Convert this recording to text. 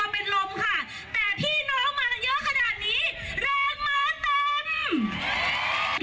เป็นลมค่ะแต่พี่น้องมากันเยอะขนาดนี้แรงมาเต็ม